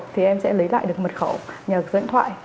thì em sẽ lấy lại được mật khẩu nhờ số điện thoại